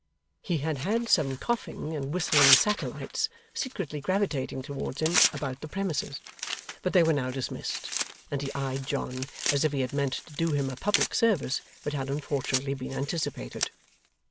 He had had some coughing and whistling satellites secretly gravitating towards him about the premises, but they were now dismissed, and he eyed John as if he had meant to do him a public service, but had unfortunately been anticipated.